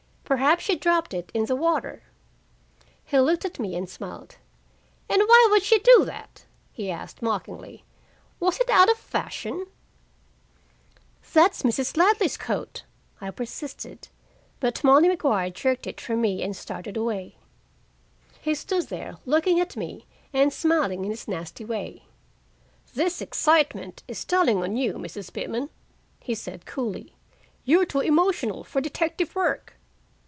"Perhaps she dropped it in the water." He looked at me and smiled. "And why would she do that?" he asked mockingly. "Was it out of fashion?" "That's Mrs. Ladley's coat," I persisted, but Molly Maguire jerked it from me and started away. He stood there looking at me and smiling in his nasty way. "This excitement is telling on you, Mrs. Pitman," he said coolly. "You're too emotional for detective work."